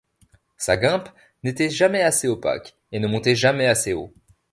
Sa guimpe n’était jamais assez opaque, et ne montait jamais assez haut.